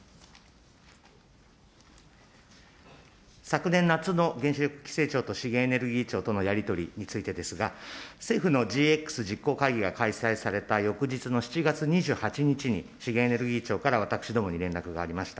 昨年夏の原子力規制庁と資源エネルギー庁とのやり取りについてですが、政府のＧＸ実行会議が開催された翌日の７月２８日に、資源エネルギー庁から私どもに連絡がありました。